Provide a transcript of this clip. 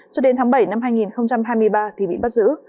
cho đến tháng bảy năm hai nghìn hai mươi ba thì bị bắt giữ